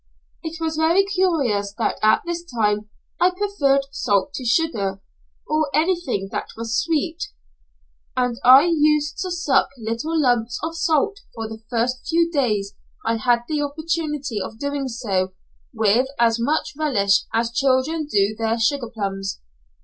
It was very curious that at this time I preferred salt to sugar, or anything that was sweet, and I used to suck little lumps of salt for the first few days I had the opportunity of doing so with as much relish as children do their sugar plums.